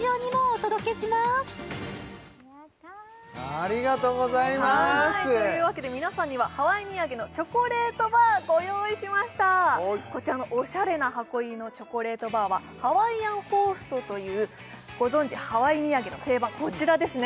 ありがとうございますはいというわけで皆さんにはハワイ土産のチョコレートバーご用意しましたこちらのオシャレな箱入りのチョコレートバーはＨａｗａｉｉａｎＨｏｓｔというご存じハワイ土産の定番こちらですね